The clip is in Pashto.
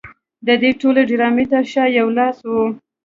د دې ټولې ډرامې تر شا یو لاس و